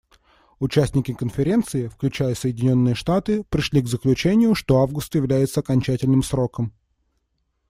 Участники Конференции, включая Соединенные Штаты, пришли к заключению, что август является окончательным сроком.